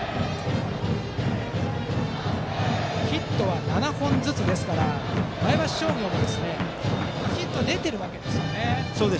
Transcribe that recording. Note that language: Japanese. ヒットは７本ずつですから前橋商業はヒット出ているわけですよね。